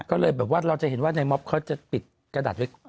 ก็เลยแบบว่าเราจะเห็นว่าในม็อบเขาจะปิดกระดาษไว้